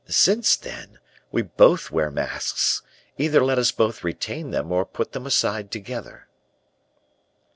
Since, then, we both wear masks, either let us both retain them or put them aside together."